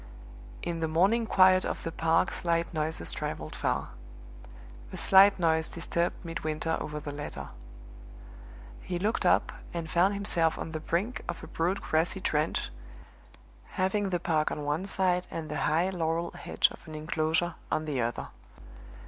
In the morning quiet of the park slight noises traveled far. A slight noise disturbed Midwinter over the letter. He looked up and found himself on the brink of a broad grassy trench, having the park on one side and the high laurel hedge of an inclosure on the other.